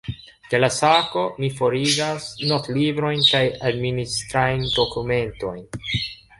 De la sako, mi forigas notlibrojn kaj administrajn dokumentojn.